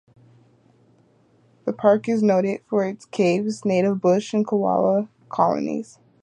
The park is noted for its caves, native bush and koala colonies.